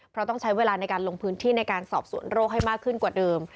เพราะต้องใช้เวลาในการลงพื้นที่ในการสอบสวนโรคให้มากขึ้นกว่าเดิม